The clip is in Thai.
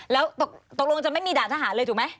แล้วตกลงจะไม่มีด่านทหารเลยถูกไหม